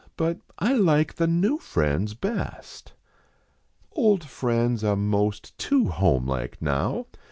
but I like the new friends best. 6.5 Old friends are most too home like now.